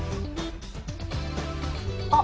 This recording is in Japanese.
あっ！